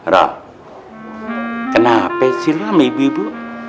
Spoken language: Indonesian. ra kenapa sih lu sama ibu ibu